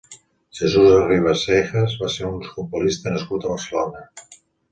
Jesús Arribas Seijas va ser un futbolista nascut a Barcelona.